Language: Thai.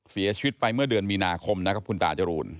เสียชีวิตไปเมื่อเดือนมีนาคมนะครับคุณตาจรูน